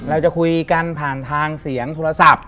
เราจะคุยกันผ่านทางเสียงโทรศัพท์